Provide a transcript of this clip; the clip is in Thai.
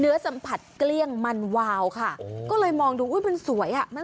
เนื้อสัมผัสเกลี้ยงมันวาวค่ะก็เลยมองดูอุ๊ยมันสวยแบบ